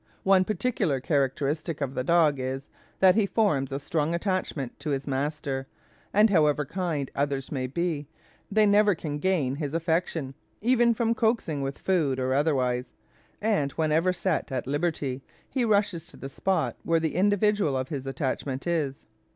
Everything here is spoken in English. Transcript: One particular characteristic of the dog is, that he forms a strong attachment to his master, and however kind others may be, they never can gain his affection, even from coaxing with food or otherwise; and, whenever set at liberty, he rushes to the spot where the individual of his attachment is.